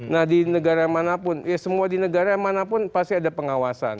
nah di negara manapun ya semua di negara manapun pasti ada pengawasan